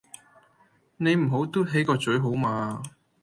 你唔好嘟起個嘴好嗎?